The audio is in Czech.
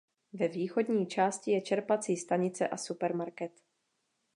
Ve východní části je čerpací stanice a supermarket.